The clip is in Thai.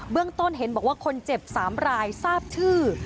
ต้นเห็นบอกว่าคนเจ็บ๓รายทราบชื่อ